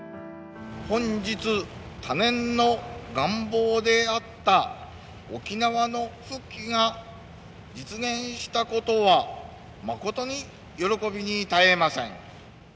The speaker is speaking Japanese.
本日、多年の願望であった沖縄の復帰が実現したことは誠に喜びに堪えま